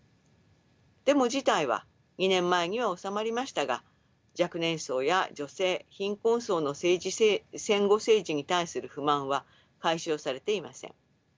でも事態は２年前には収まりましたが若年層や女性貧困層の戦後政治に対する不満は解消されていません。